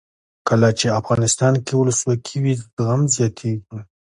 کله چې افغانستان کې ولسواکي وي زغم زیاتیږي.